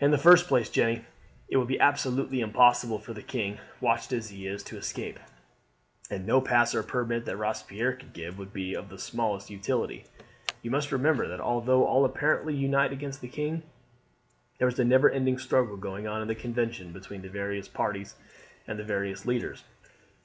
"In the first place, Jeanne, it would be absolutely impossible for the king, watched as he is, to escape; and no pass or permit that Robespierre could give would be of the smallest utility. You must remember, that although all apparently unite against the king, there is a never ending struggle going on in the Convention between the various parties and the various leaders.